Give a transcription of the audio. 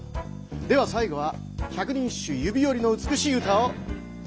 では最後は「百人一首」ゆび折りの美しい歌をあなたに。